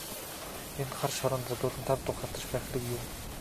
Энд хар шороонд булуулан тав тух алдаж байх хэрэг юун.